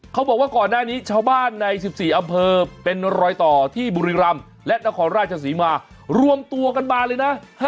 เขาบอกว่าก่อนหน้านี้ชาวบ้านใน๑๔อำเภอเป็นรอยต่อที่บุรีรำและนครราชศรีมารวมตัวกันมาเลยนะ